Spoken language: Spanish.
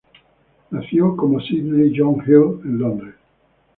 Nació como Sydney John Hill en Londres.